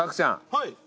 はい。